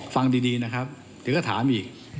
ฟังดีนะครับเดี๋ยวก็ถามอีก